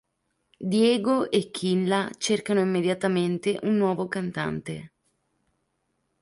Diego e Killa cercano immediatamente un nuovo cantante.